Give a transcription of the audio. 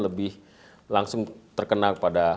lebih langsung terkena pada